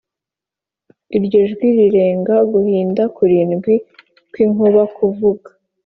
Iryo jwi rirenga guhinda kurindwi kw inkuba kuvuga